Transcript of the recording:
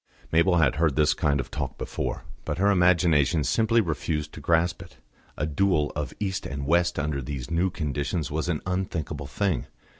Mabel had heard this kind of talk before, but her imagination simply refused to grasp it. A duel of East and West under these new conditions was an unthinkable thing.